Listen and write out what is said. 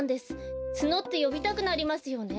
ツノってよびたくなりますよね。